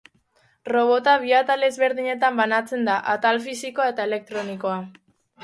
Robota bi atal ezberdinetan banatzen da, atal fisikoa eta elektronikoa.